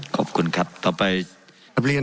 ขอบคุณครับต่อไป